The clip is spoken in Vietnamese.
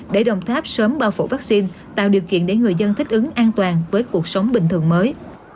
để đồng tháp sớm bao phủ vaccine tạo điều kiện để người dân thích ứng an toàn với cuộc sống bình thường mới